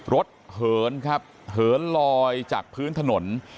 เหินครับเหินลอยจากพื้นถนน